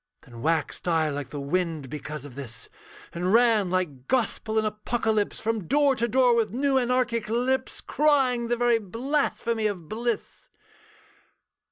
Then waxed I like the wind because of this, And ran, like gospel and apocalypse, From door to door, with new anarchic lips, Crying the very blasphemy of bliss.